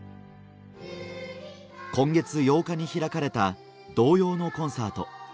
今月８日に開かれた童謡のコンサート